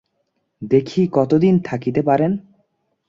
দেখি কত দিন থাকিতে পারেন?